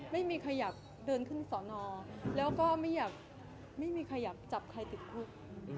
ไม่มีใครอยากเดินขึ้นสอนอแล้วก็ไม่มีใครอยากจับใครติดคุก